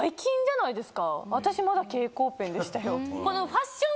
私まだ蛍光ペンでしたよ。